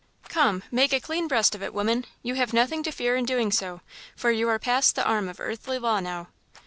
Come–make a clean breast of it, woman! You have nothing to fear in doing so, for you are past the arm of earthly law now!"